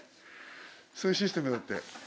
そういうシステムだって。